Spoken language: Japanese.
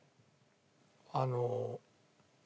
あの。